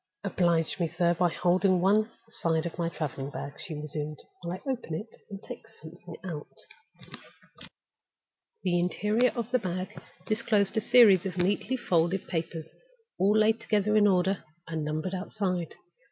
"Oblige me, sir, by holding one side of my traveling bag," she resumed, "while I open it and take something out." The interior of the bag disclosed a series of neatly folded papers, all laid together in order, and numbered outside.